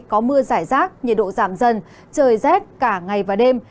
có mưa giải rác nhiệt độ giảm dần trời rét cả ngày và đêm